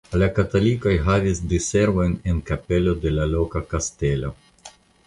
La katolikoj havis diservojn en kapelo de la loka kastelo.